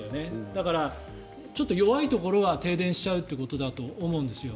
だからちょっと弱いところは停電しちゃうということだと思うんですよ。